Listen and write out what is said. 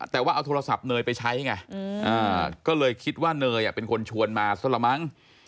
แต่ว่าเอาโทรศัพท์เนยไปใช้ไงก็เลยคิดว่าเนยเป็นคนชวนมาซะละมั้ง